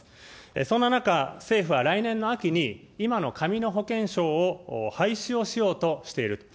そんな中、政府は来年の秋に、今の紙の保険証を、廃止をしようとしていると。